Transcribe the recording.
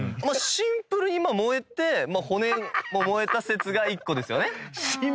シンプルにまあ燃えて骨も燃えた説が一個ですよね。